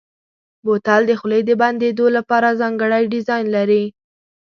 بوتل د خولې د بندېدو لپاره ځانګړی ډیزاین لري.